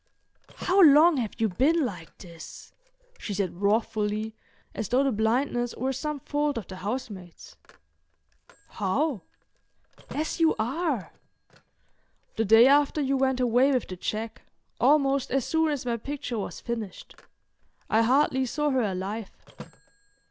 "How long have you been like this?" she said wrathfully, as though the blindness were some fault of the housemaids. "How?" "As you are." "The day after you went away with the check, almost as soon as my picture was finished; I hardly saw her alive."